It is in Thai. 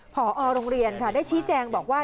พอโรงเรียนค่ะได้ชี้แจงบอกว่า